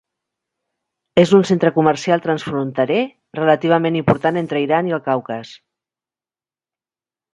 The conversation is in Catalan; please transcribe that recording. És un centre comercial transfronterer relativament important entre Iran i el Caucas.